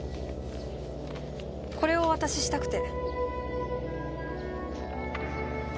これをお渡ししたくて。